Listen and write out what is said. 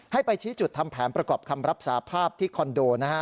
ให้ไปชี้จุดทำแผนประกอบคำรับสาภาพที่คอนโดนะฮะ